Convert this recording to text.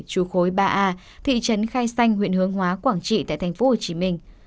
chú khối ba a thị trấn khai xanh huyện hướng hóa quảng trị tại thành phố hồ chí minh